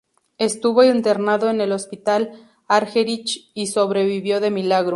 Estuvo internado en el Hospital Argerich y sobrevivió de milagro.